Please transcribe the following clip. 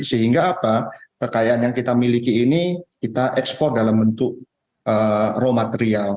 sehingga apa kekayaan yang kita miliki ini kita ekspor dalam bentuk raw material